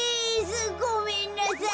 ごめんなさい。